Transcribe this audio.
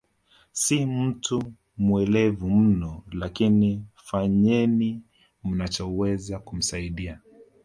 Si mtu mwelevu mno lakini fanyeni mnachoweza kumsaidia